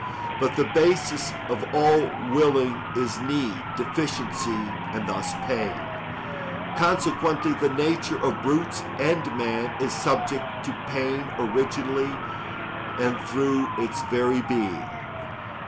But the basis of all willing is need, deficiency, and thus pain. Consequently, the nature of brutes and man is subject to pain originally and through its very being.